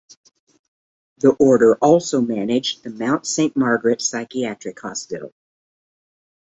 The order also managed the Mount St Margaret psychiatric hospital.